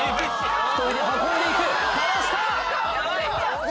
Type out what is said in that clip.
１人で運んでいくかわした！